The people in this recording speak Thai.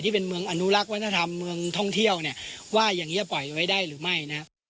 ที่เป็นเมืองอนุลักษณ์วัฒนธรรมเมืองท่องเที่ยวว่าอย่างนี้ปล่อยไว้ได้หรือไม่